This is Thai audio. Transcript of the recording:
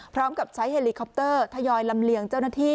พร้อมกับใช้เฮลิคอปเตอร์ทยอยลำเลียงเจ้าหน้าที่